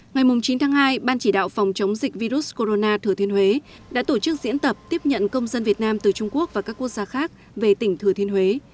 ngày chín tháng hai ban chỉ đạo phòng chống dịch virus corona thừa thiên huế đã tổ chức diễn tập tiếp nhận công dân việt nam từ trung quốc và các quốc gia khác về tỉnh thừa thiên huế